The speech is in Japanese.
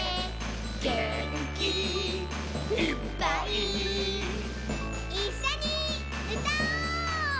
「げんきいっぱい」「いっしょにうたおう！」